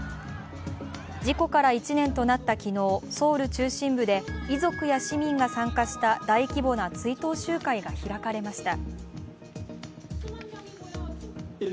事故から１年となった昨日、ソウル中心部で遺族や市民が参加した大規模な追悼集会が開かれました。